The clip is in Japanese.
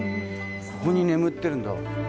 ここに眠ってるんだ。